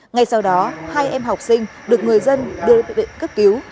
ngay sau đó hai em học sinh được người dân đưa đến bệnh viện cấp cứu